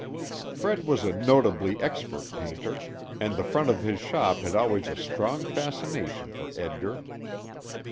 Fred was a notably expert painter, and the front of his shop had always a strong fascination for Edgar.